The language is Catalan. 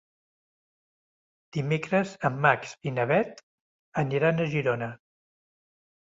Dimecres en Max i na Bet aniran a Girona.